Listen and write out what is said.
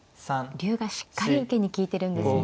竜がしっかり受けに利いてるんですね。